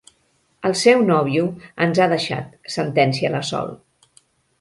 El seu nòvio ens ha deixat —sentencia la Sol.